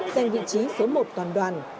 giành vị trí số một toàn đoàn